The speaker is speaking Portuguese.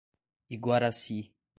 Iguaracy